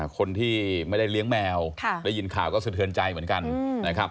คนที่ไม่ได้เลี้ยงแมวได้ยินข่าวก็สะเทือนใจเหมือนกันนะครับ